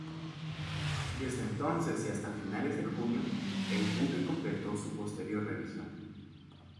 Desde entonces y hasta finales de junio, el buque completó su posterior revisión.